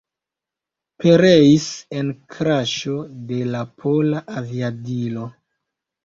Pereis en kraŝo de la pola aviadilo.